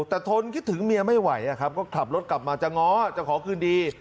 แต่ทนคิดถึงเมียไม่ไหวก็ขับรถกลับมาจะง้อจะขอคืนดี